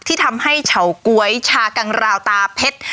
ที่ทำให้เฉาก๊วยชากังราวตาเพชร